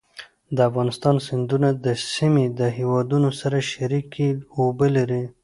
د افغانستان سیندونه د سیمې له هېوادونو سره شریکې اوبه لري.